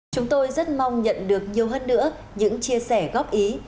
chúng tôi rất mong nhận được nhiều hơn nữa những chia sẻ góp ý